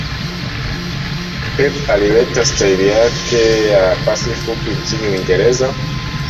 Pep alileta staili yake ya pasi fupi nchini uingereza